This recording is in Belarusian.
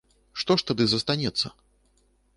Што ж тады застанецца?